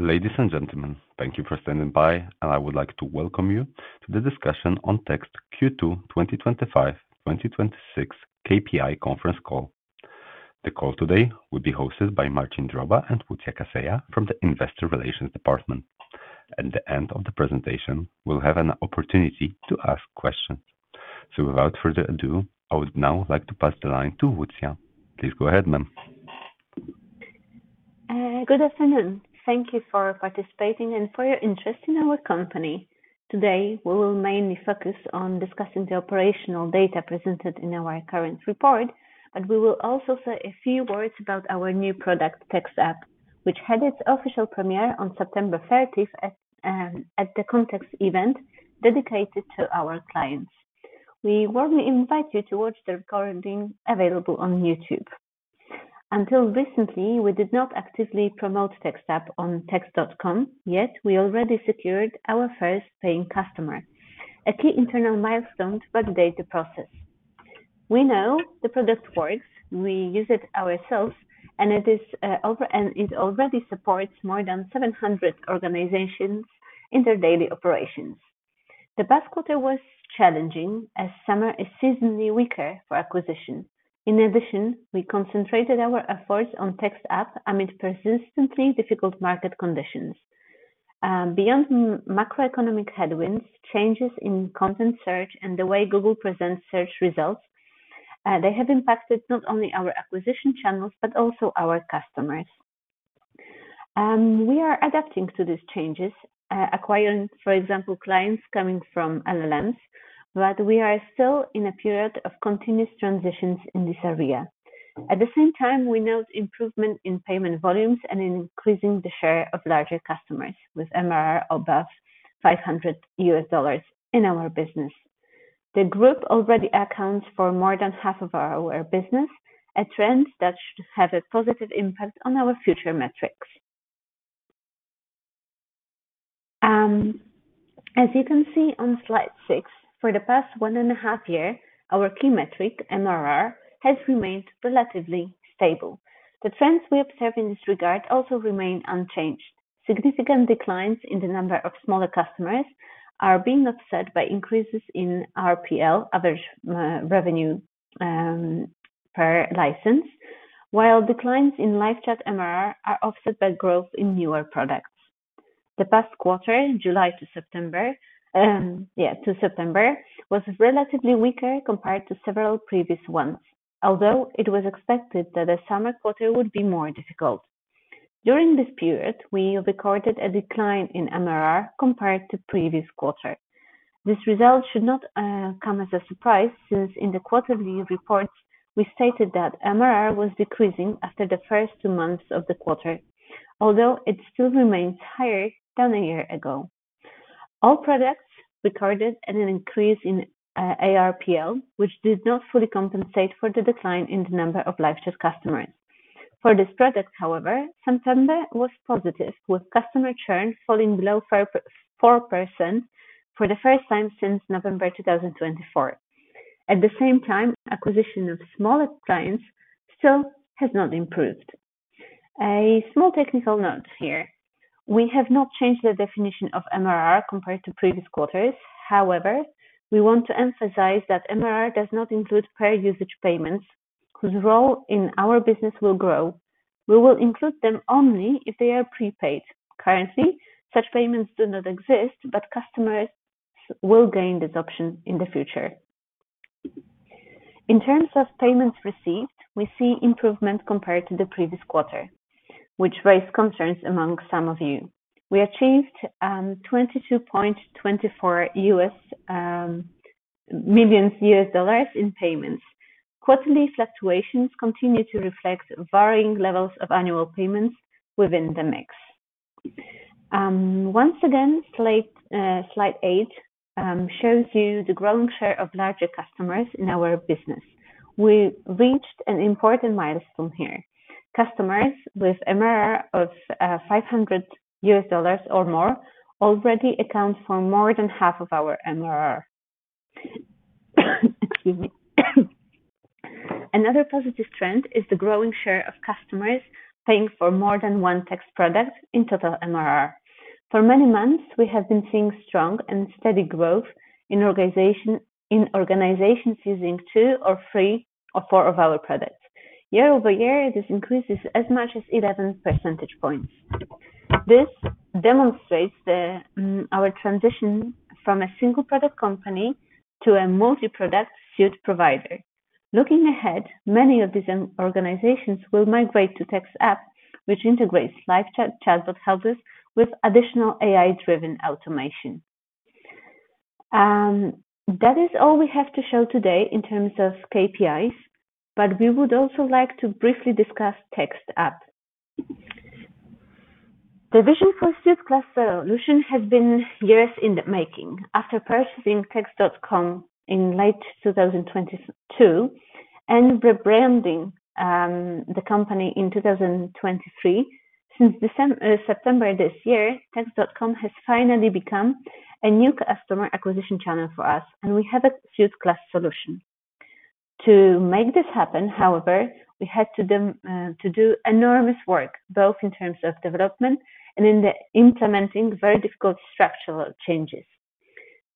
Ladies and gentlemen, thank you for standing by, and I would like to welcome you to the discussion on Text Q2 2025-2026 KPI Conference Call. The call today will be hosted by Marcin Droba and Lucja Kaseja from the Investor Relations Department. At the end of the presentation, we'll have an opportunity to ask questions. Without further ado, I would now like to pass the line to Lucja. Please go ahead, ma'am. Good afternoon. Thank you for participating and for your interest in our company. Today, we will mainly focus on discussing the operational data presented in our current report, but we will also say a few words about our new product, Text App, which had its official premiere on September 30th at the Context Event dedicated to our clients. We warmly invite you to watch the recording available on YouTube. Until recently, we did not actively promote Text App on text.com, yet we already secured our first paying customer, a key internal milestone to validate the process. We know the product works. We use it ourselves, and it already supports more than 700 organizations in their daily operations. The past quarter was challenging, as summer is seasonally weaker for acquisition. In addition, we concentrated our efforts on Text App amid persistently difficult market conditions. Beyond macroeconomic headwinds, changes in content search and the way Google presents search results have impacted not only our acquisition channels but also our customers. We are adapting to these changes, acquiring, for example, clients coming from LLMs, but we are still in a period of continuous transitions in this area. At the same time, we note improvement in payment volumes and in increasing the share of larger customers with MRR above $500 in our business. The group already accounts for more than half of our business, a trend that should have a positive impact on our future metrics. As you can see on slide six, for the past one and a half years, our key metric, MRR, has remained relatively stable. The trends we observe in this regard also remain unchanged. Significant declines in the number of smaller customers are being offset by increases in ARPL, average revenue per license, while declines in LiveChat MRR are offset by growth in newer products. The past quarter, July to September, was relatively weaker compared to several previous ones, although it was expected that the summer quarter would be more difficult. During this period, we recorded a decline in MRR compared to the previous quarter. This result should not come as a surprise since, in the quarterly report, we stated that MRR was decreasing after the first two months of the quarter, although it still remains higher than a year ago. All products recorded an increase in ARPL, which did not fully compensate for the decline in the number of LiveChat customers. For this product, however, September was positive, with customer churn falling below 4% for the first time since November 2024. At the same time, acquisition of smaller clients still has not improved. A small technical note here. We have not changed the definition of MRR compared to previous quarters. However, we want to emphasize that MRR does not include per-usage payments, whose role in our business will grow. We will include them only if they are prepaid. Currently, such payments do not exist, but customers will gain this option in the future. In terms of payments received, we see improvement compared to the previous quarter, which raised concerns among some of you. We achieved $22.24 in payments. Quarterly fluctuations continue to reflect varying levels of annual payments within the mix. Once again, slide eight shows you the growing share of larger customers in our business. We reached an important milestone here. Customers with MRR of $500 or more already account for more than half of our MRR. Excuse me. Another positive trend is the growing share of customers paying for more than one Text product in total MRR. For many months, we have been seeing strong and steady growth in organizations using two or three or four of our products. Year-over-year, this increases as much as 11 percentage points. This demonstrates our transition from a single-product company to a multi-product suite provider. Looking ahead, many of these organizations will migrate to Text App, which integrates LiveChat ChatBot helpers with additional AI-driven automation. That is all we have to show today in terms of KPIs, but we would also like to briefly discuss Text App. The vision for [SuiteClass] Solutions has been years in the making. After purchasing text.com in late 2022 and rebranding the company in 2023, since September of this year, text.com has finally become a new customer acquisition channel for us, and we have a suite-class solution. To make this happen, however, we had to do enormous work, both in terms of development and in implementing very difficult structural changes.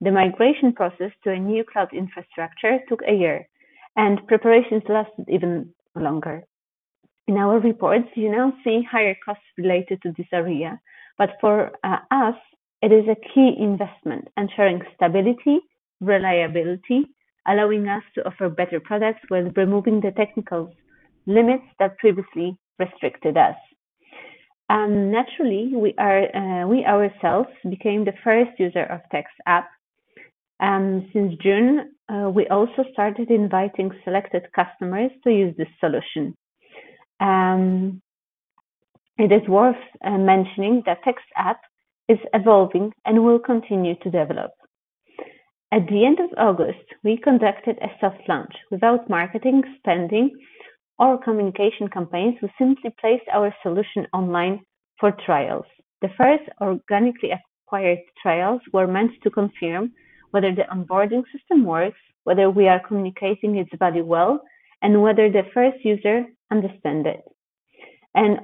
The migration process to a new cloud infrastructure took a year, and preparations lasted even longer. In our reports, you now see higher costs related to this area, but for us, it is a key investment, ensuring stability, reliability, allowing us to offer better products while removing the technical limits that previously restricted us. Naturally, we ourselves became the first user of Text App. Since June, we also started inviting selected customers to use this solution. It is worth mentioning that Text App is evolving and will continue to develop. At the end of August, we conducted a soft launch. Without marketing, spending, or communication campaigns, we simply placed our solution online for trials. The first organically acquired trials were meant to confirm whether the onboarding system works, whether we are communicating with the body well, and whether the first user understands it.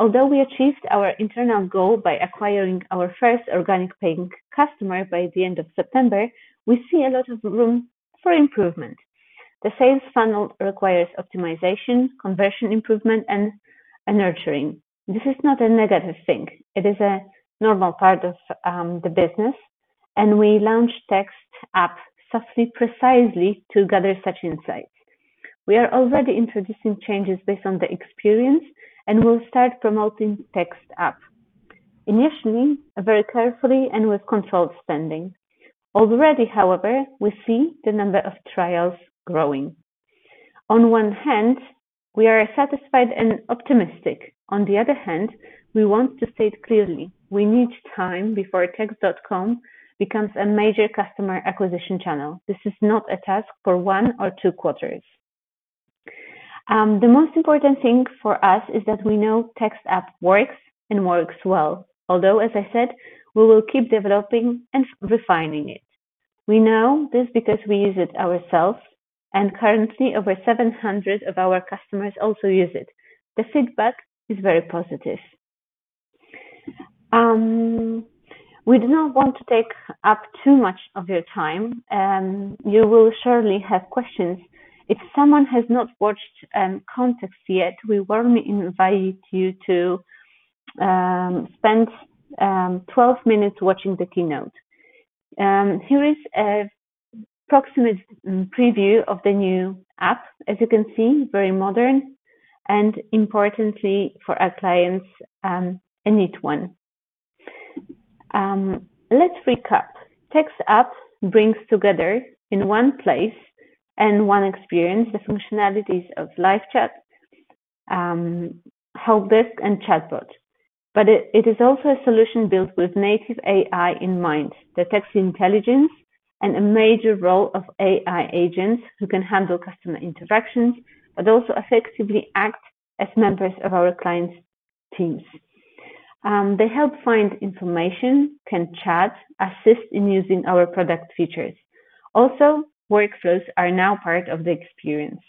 Although we achieved our internal goal by acquiring our first organic paying customer by the end of September, we see a lot of room for improvement. The sales funnel requires optimization, conversion improvement, and nurturing. This is not a negative thing. It is a normal part of the business, and we launched Text App precisely to gather such insights. We are already introducing changes based on the experience and will start promoting Text App. Initially, very carefully and with controlled spending. Already, however, we see the number of trials growing. On one hand, we are satisfied and optimistic. On the other hand, we want to state clearly we need time before text.com becomes a major customer acquisition channel. This is not a task for one or two quarters. The most important thing for us is that we know Text App works and works well, although, as I said, we will keep developing and refining it. We know this because we use it ourselves, and currently, over 700 of our customers also use it. The feedback is very positive. We do not want to take up too much of your time, and you will surely have questions. If someone has not watched Context yet, we warmly invite you to spend 12 minutes watching the keynote. Here is an approximate preview of the new app. As you can see, very modern and, importantly, for our clients, a neat one. Let's recap. Text App brings together in one place and one experience the functionalities of LiveChat, HelpDesk, and ChatBot, but it is also a solution built with native AI in mind, the text intelligence, and a major role of AI agents who can handle customer interactions but also effectively act as members of our clients' teams. They help find information, can chat, assist in using our product features. Also, workflows are now part of the experience.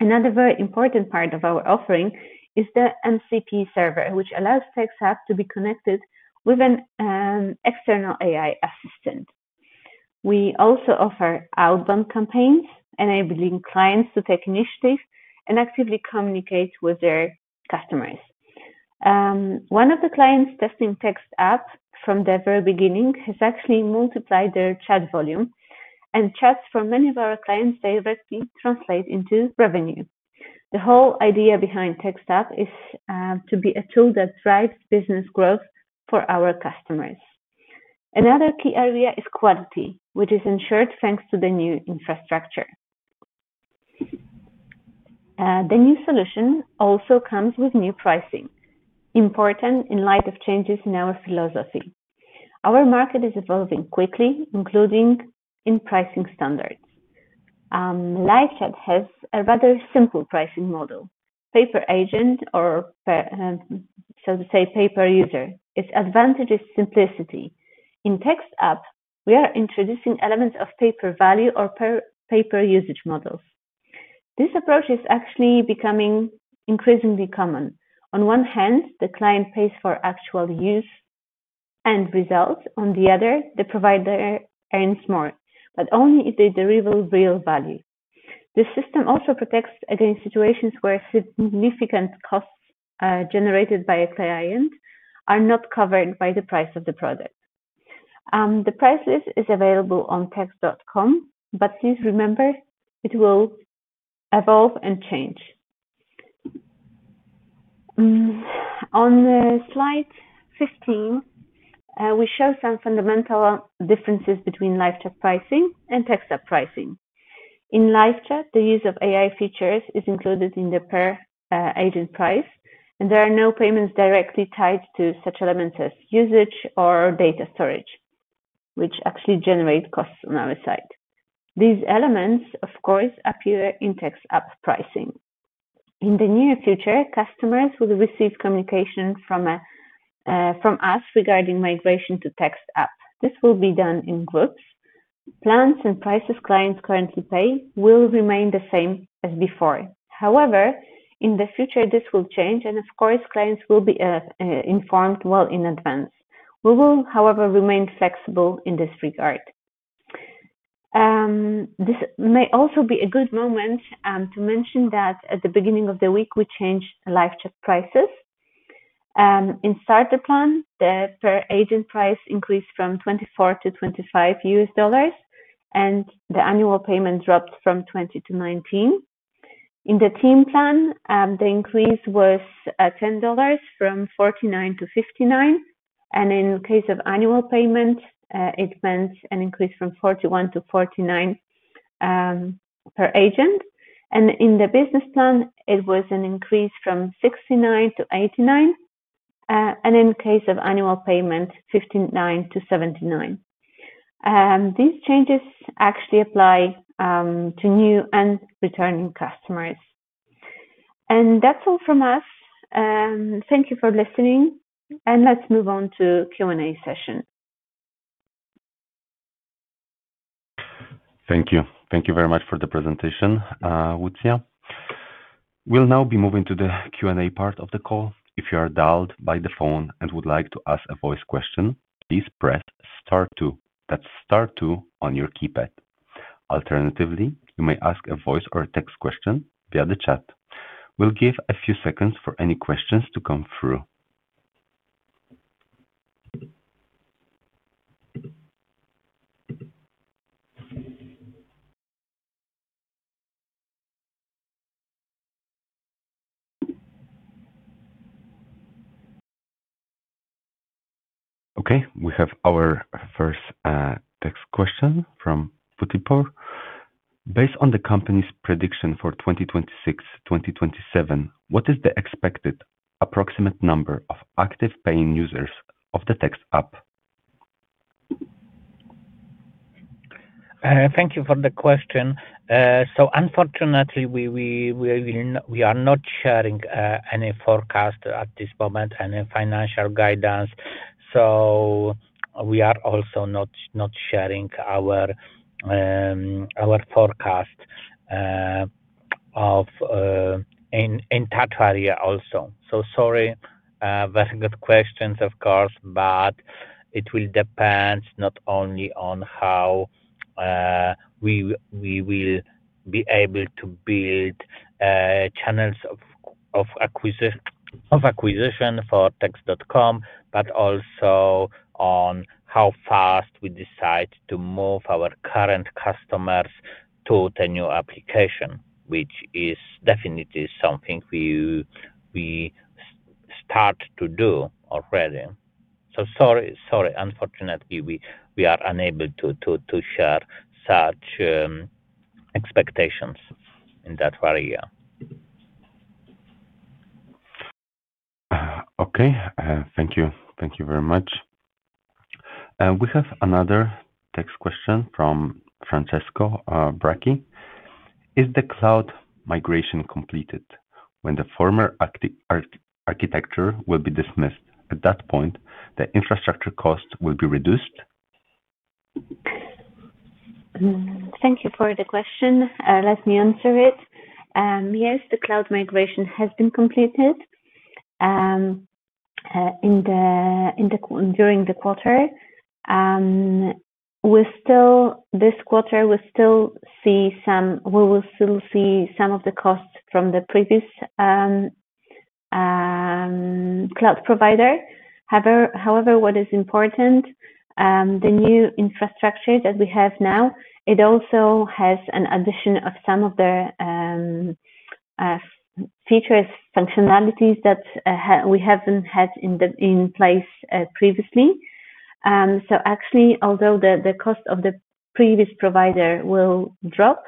Another very important part of our offering is the MCP server, which allows Text App to be connected with an external AI assistant. We also offer outbound campaigns, enabling clients to take initiative and actively communicate with their customers. One of the clients testing Text App from the very beginning has actually multiplied their chat volume, and chats from many of our clients directly translate into revenue. The whole idea behind Text App is to be a tool that drives business growth for our customers. Another key area is quality, which is ensured thanks to the new infrastructure. The new solution also comes with new pricing, important in light of changes in our philosophy. Our market is evolving quickly, including in pricing standards. LiveChat has a rather simple pricing model, per agent or, shall we say, per user. Its advantage is simplicity. In Text App, we are introducing elements of per value or per usage models. This approach is actually becoming increasingly common. On one hand, the client pays for actual use and result. On the other, the provider earns more, but only if they derive real value. This system also protects against situations where significant costs generated by a client are not covered by the price of the product. The price list is available on text.com, but please remember it will evolve and change. On slide 15, we show some fundamental differences between LiveChat pricing and Text App pricing. In LiveChat, the use of AI features is included in the per-agent price, and there are no payments directly tied to such elements as usage or data storage, which actually generate costs on our side. These elements, of course, appear in Text App pricing. In the near future, customers will receive communication from us regarding migration to Text App. This will be done in groups. Plans and prices clients currently pay will remain the same as before. However, in the future, this will change, and of course, clients will be informed well in advance. We will, however, remain flexible in this regard. This may also be a good moment to mention that at the beginning of the week, we changed LiveChat prices. In Starter plan, the per-agent price increased from $24 to $25, and the annual payment dropped from $20 to $19. In the Team plan, the increase was $10 from $49 to $59, and in the case of annual payment, it meant an increase from $41 to $49 per agent. In the Business plan, it was an increase from $69 to $89, and in the case of annual payment, $59 to $79. These changes actually apply to new and returning customers. That's all from us. Thank you for listening, and let's move on to the Q&A session. Thank you. Thank you very much for the presentation, Lucja. We'll now be moving to the Q&A part of the call. If you are dialed by the phone and would like to ask a voice question, please press star two. That's star two on your keypad. Alternatively, you may ask a voice or a text question via the chat. We'll give a few seconds for any questions to come through. Okay, we have our first text question from [Potipor]. Based on the company's prediction for 2026-2027, what is the expected approximate number of active paying users of the Text App? Thank you for the question. Unfortunately, we are not sharing any forecast at this moment, any financial guidance. We are also not sharing our forecast in that area. Sorry, very good questions, of course, but it will depend not only on how we will be able to build channels of acquisition for text.com, but also on how fast we decide to move our current customers to the new application, which is definitely something we start to do already. Sorry, unfortunately, we are unable to share such expectations in that area. Okay, thank you. Thank you very much. We have another text question from Francesco Bracchi. Is the cloud migration completed? When the former architecture will be dismissed, at that point, the infrastructure cost will be reduced? Thank you for the question. Let me answer it. Yes, the cloud migration has been completed during the quarter. This quarter, we'll still see some of the costs from the previous cloud provider. However, what is important, the new infrastructure that we have now also has an addition of some of the features, functionalities that we haven't had in place previously. Actually, although the cost of the previous provider will drop,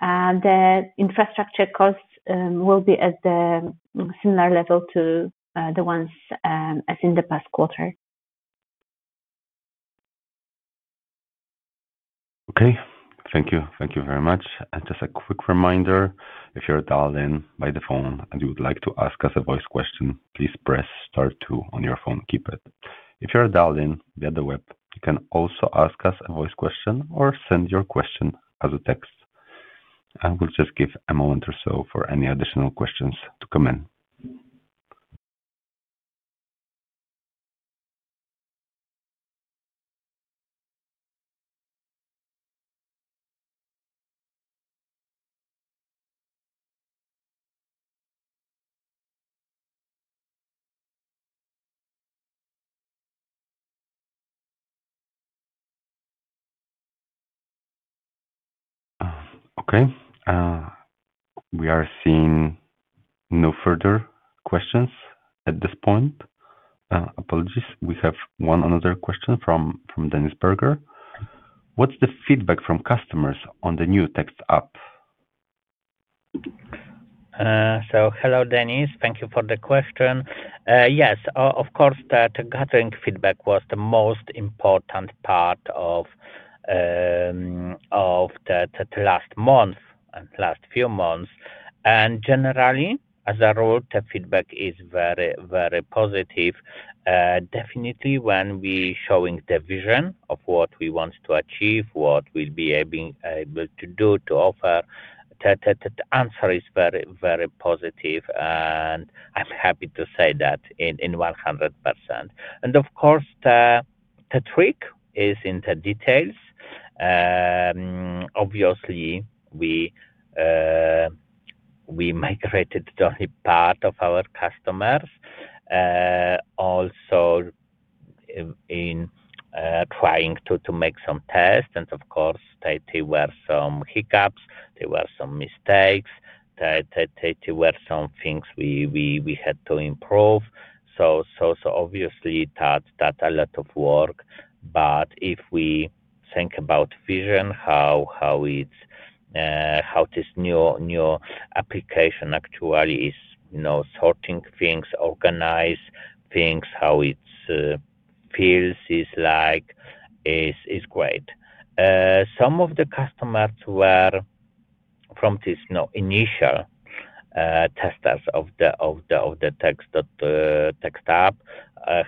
the infrastructure cost will be at the similar level to the ones as in the past quarter. Okay, thank you. Thank you very much. Just a quick reminder, if you're dialed in by the phone and you would like to ask us a voice question, please press star two on your phone keypad. If you're dialed in via the web, you can also ask us a voice question or send your question as a text. We'll just give a moment or so for any additional questions to come in. Okay, we are seeing no further questions at this point. Apologies. We have one other question from [Dennis Burger]. What's the feedback from customers on the new Text App? Hello, Dennis. Thank you for the question. Yes, of course, gathering feedback was the most important part of the last month and last few months. Generally, as a rule, the feedback is very, very positive. Definitely, when we're showing the vision of what we want to achieve, what we'll be able to do to offer, the answer is very, very positive, and I'm happy to say that in 100%. The trick is in the details. Obviously, we migrated only part of our customers. Also, in trying to make some tests, there were some hiccups, there were some mistakes, there were some things we had to improve. Obviously, that's a lot of work. If we think about vision, how this new application actually is sorting things, organizing things, how it feels is great. Some of the customers who were from these initial testers of Text App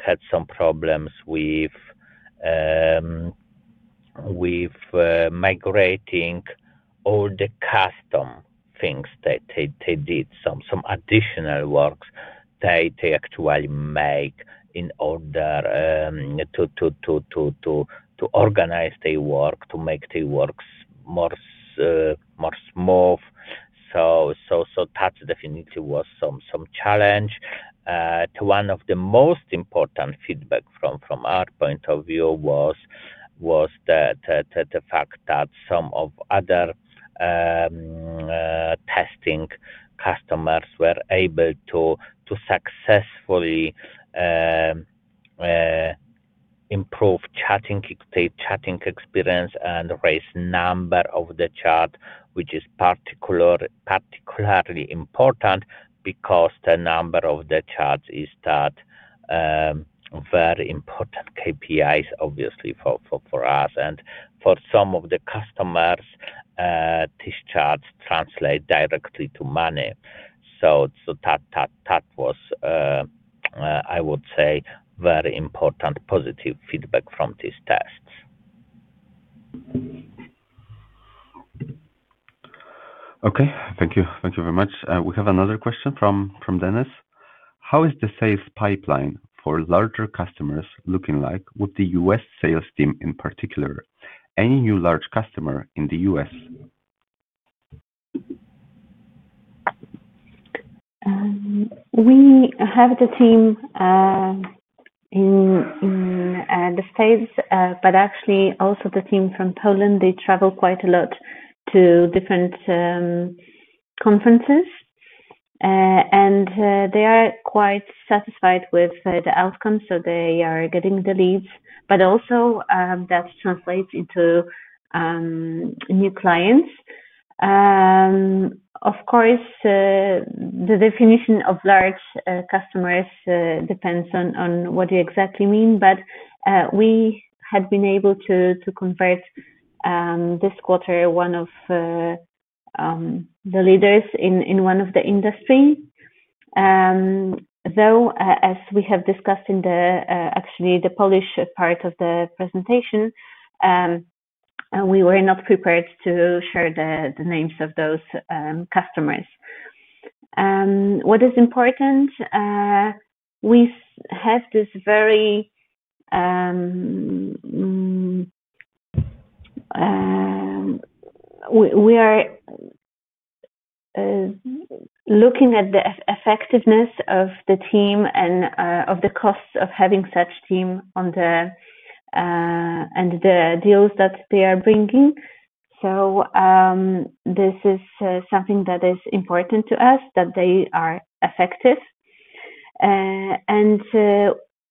had some problems with migrating all the custom things they did, some additional works they actually make in order to organize their work, to make their work more smooth. That definitely was some challenge. One of the most important feedback from our point of view was the fact that some of the other testing customers were able to successfully improve chatting experience and raise the number of the chat, which is particularly important because the number of the chats is very important KPIs, obviously, for us. For some of the customers, these chats translate directly to money. That was, I would say, very important positive feedback from these tests. Okay, thank you. Thank you very much. We have another question from Dennis. How is the sales pipeline for larger customers looking like with the U.S. sales team in particular? Any new large customer in the U.S.? We have the team in the U.S., but actually also the team from Poland. They travel quite a lot to different conferences, and they are quite satisfied with the outcome. They are getting the leads, but also that translates into new clients. Of course, the definition of large customers depends on what you exactly mean, but we had been able to convert this quarter one of the leaders in one of the industries. As we have discussed in the actually Polish part of the presentation, we were not prepared to share the names of those customers. What is important, we are looking at the effectiveness of the team and of the costs of having such a team and the deals that they are bringing. This is something that is important to us, that they are effective.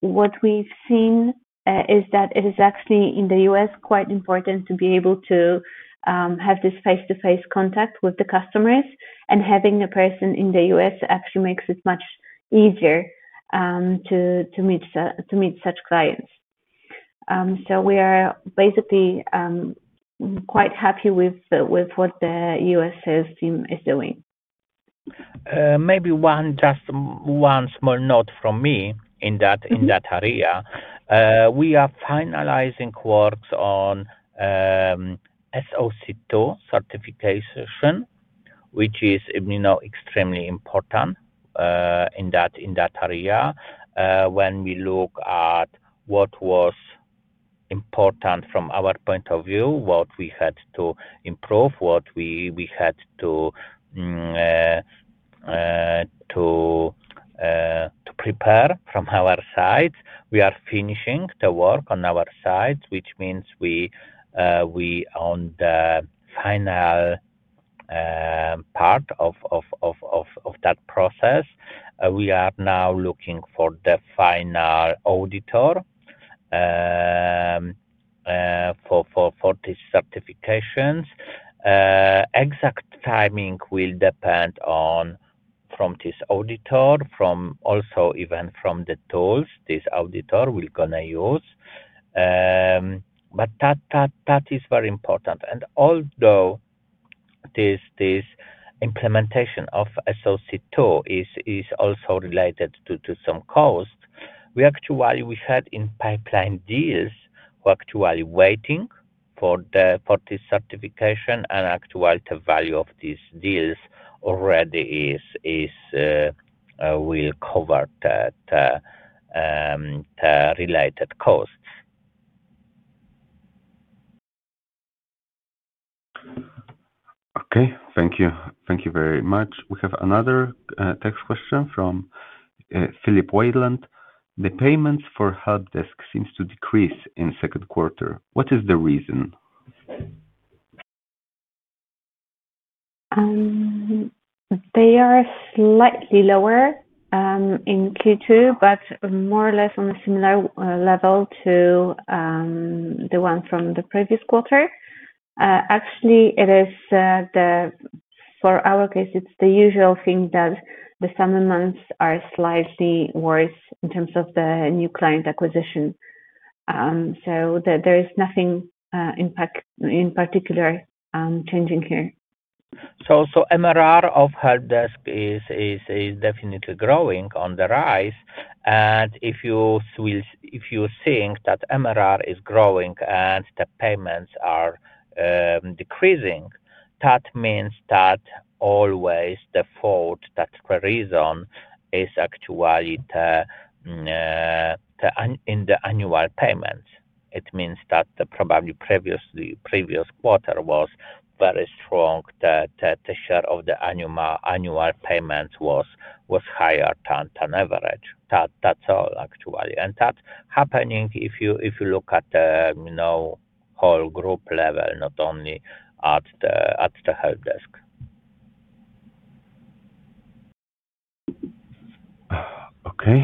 What we've seen is that it is actually in the U.S. quite important to be able to have this face-to-face contact with the customers, and having a person in the U.S. actually makes it much easier to meet such clients. We are basically quite happy with what the U.S. sales team is doing. Maybe just one small note from me in that area. We are finalizing works on SOC 2 certification, which is extremely important in that area. When we look at what was important from our point of view, what we had to improve, what we had to prepare from our sides, we are finishing the work on our sides, which means we own the final part of that process. We are now looking for the final auditor for these certifications. Exact timing will depend on this auditor, also even from the tools this auditor will use, that is very important. Although this implementation of SOC 2 is also related to some cost, we actually had in pipeline deals who are actually waiting for this certification, and actually, the value of these deals already will cover that related cost. Okay, thank you. Thank you very much. We have another text question from Philip Whiteland. The payments for HelpDesk seem to decrease in the second quarter. What is the reason? They are slightly lower in Q2, but more or less on a similar level to the one from the previous quarter. Actually, for our case, it's the usual thing that the summer months are slightly worse in terms of the new client acquisition. There is nothing in particular changing here. MRR of HelpDesk is definitely growing on the rise. If you think that MRR is growing and the payments are decreasing, that means that always the fault, that's the reason, is actually in the annual payments. It means that probably the previous quarter was very strong. The share of the annual payments was higher than average. That's all, actually. That's happening if you look at the whole group level, not only at the HelpDesk. Okay,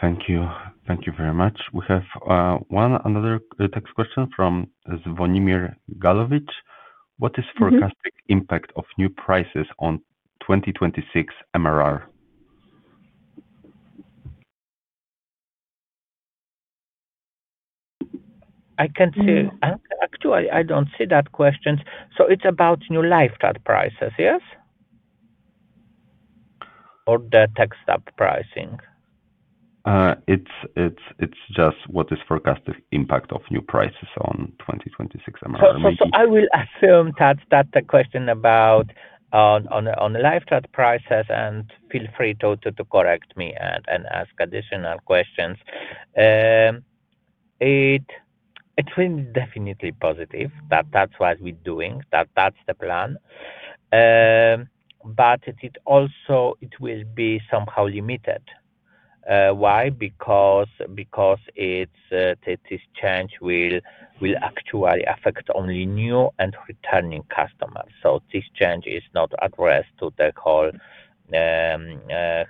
thank you. Thank you very much. We have one another text question from Zvonimir Galovic. What is the forecast impact of new prices on 2026 MRR? I can see. Actually, I don't see that question. It's about new LiveChat prices, yes? Or the Text App pricing? What is the forecast impact of new prices on 2026 MRR? I will assume that the question about LiveChat prices, and feel free to correct me and ask additional questions, it will be definitely positive. That's what we're doing. That's the plan. It also will be somehow limited. Why? Because this change will actually affect only new and returning customers. This change is not addressed to the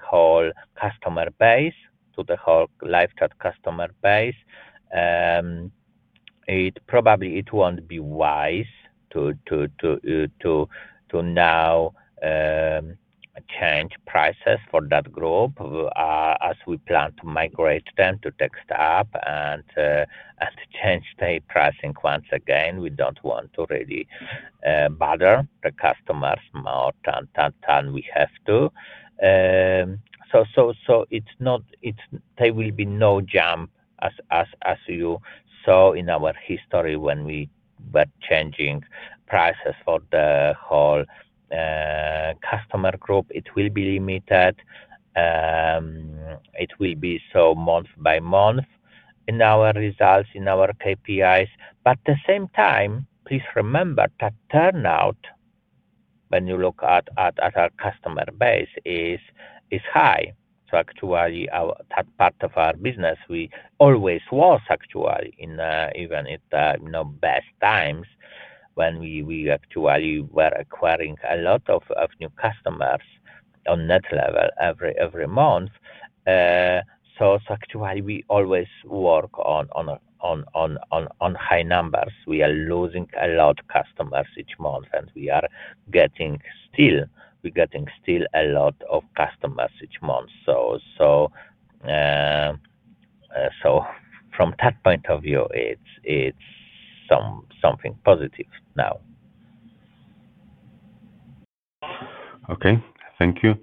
whole customer base, to the whole LiveChat customer base. It probably won't be wise to now change prices for that group as we plan to migrate them to Text App and change their pricing once again. We don't want to really bother the customers more than we have to. There will be no jump, as you saw in our history, when we were changing prices for the whole customer group. It will be limited. It will be so month by month in our results, in our KPIs. At the same time, please remember that turnout, when you look at our customer base, is high. Actually, that part of our business always was actually in even at the best times when we actually were acquiring a lot of new customers on that level every month. We always work on high numbers. We are losing a lot of customers each month, and we are getting still a lot of customers each month. From that point of view, it's something positive now. Okay, thank you.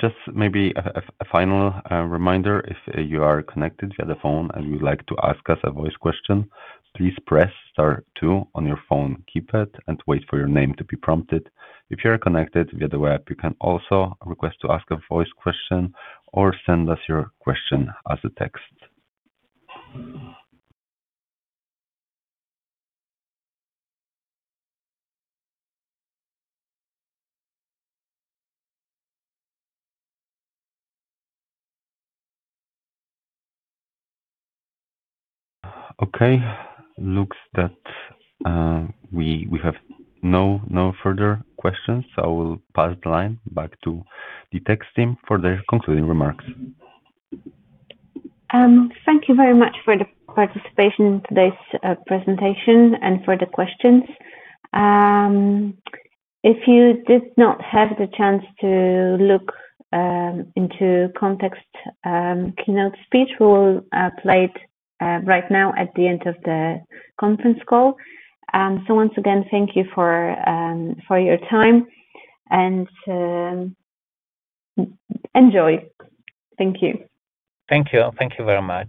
Just maybe a final reminder. If you are connected via the phone and you'd like to ask us a voice question, please press star two on your phone keypad and wait for your name to be prompted. If you are connected via the web, you can also request to ask a voice question or send us your question as a text. It looks like we have no further questions. I will pass the line back to the Text team for their concluding remarks. Thank you very much for the participation in today's presentation and for the questions. If you did not have the chance to look into Context's keynote speech, we will play it right now at the end of the conference call. Once again, thank you for your time and enjoy. Thank you. Thank you. Thank you very much.